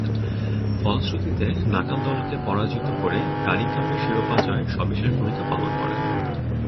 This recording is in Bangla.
ফলশ্রুতিতে নাটাল দলকে পরাজিত করে কারি কাপের শিরোপা জয়ে সবিশেষ ভূমিকা পালন করেন।